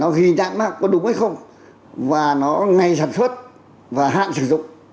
nó ghi đáng mắc có đúng hay không và nó ngay sản xuất và hạn sử dụng